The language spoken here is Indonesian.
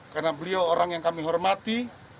karena beliau orang yang kami hormati